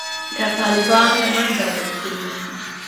که طالبان له منځه وړل کیږي